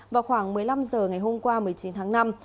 vào khoảng một mươi năm h ngày hôm qua một mươi chín tháng năm